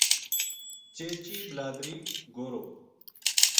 چیچی بلادری گوہرو